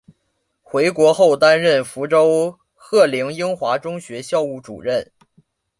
回国后担任福州鹤龄英华中学校务主任。